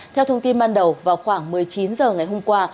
theo thông tin ban đầu vào khoảng một mươi chín h ngày hôm qua